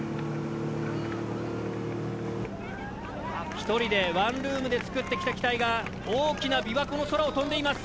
１人でワンルームで作ってきた機体が大きな琵琶湖の空を飛んでいます。